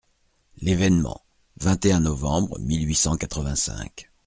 L'ÉVÉNEMENT, vingt et un novembre mille huit cent quatre-vingt-cinq.